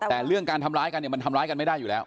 แต่เรื่องการทำร้ายกันเนี่ยมันทำร้ายกันไม่ได้อยู่แล้ว